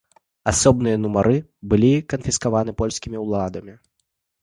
Асобныя нумары былі канфіскаваны польскімі ўладамі.